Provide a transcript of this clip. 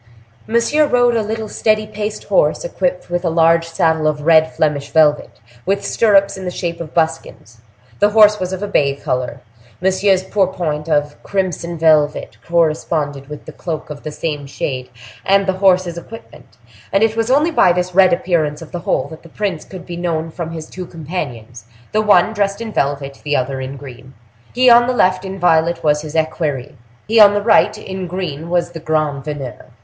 Monsieur rode a little steady paced horse, equipped with a large saddle of red Flemish velvet, with stirrups in the shape of buskins; the horse was of a bay color; Monsieur's pourpoint of crimson velvet corresponded with the cloak of the same shade and the horse's equipment, and it was only by this red appearance of the whole that the prince could be known from his two companions, the one dressed in violet, the other in green. He on the left, in violet, was his equerry; he on the right, in green, was the grand veneur.